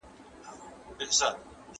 آيا په دې پړاو کي تخيل کميږي؟